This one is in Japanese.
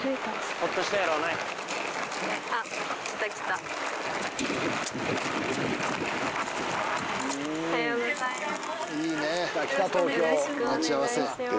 おはようございます。